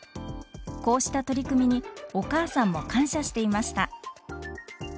こうした取り組みにお母さんも感謝していました。